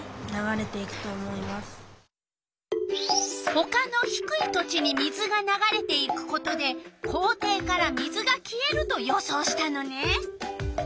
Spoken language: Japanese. ほかのひくい土地に水がながれていくことで校庭から水が消えると予想したのね。